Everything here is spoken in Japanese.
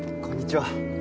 こんにちは。